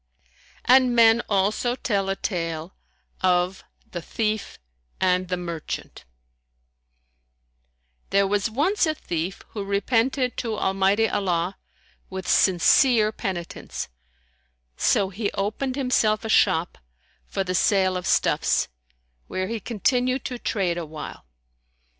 And men also tell a tale of THE THIEF AND THE MERCHANT There was once a thief who repented to Almighty Allah with sincere penitence; so he opened himself a shop for the sale of stuffs, where he continued to trade awhile.